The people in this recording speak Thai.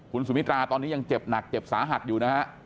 คุณสุมิตราตอนนี้ยังเจ็บหนักเจ็บสาหัสอยู่นะฮะ